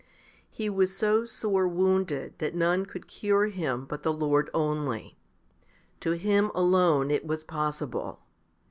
5. He was so sore wounded that none could cure him but the Lord only. To Him alone it was possible.